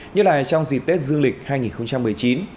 như là trong dịp tết dương lịch hai nghìn một mươi chín